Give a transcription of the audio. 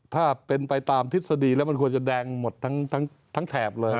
ถ้าเป็นไปตามทฤษฎีแล้วมันควรจะแดงหมดทั้งแถบเลย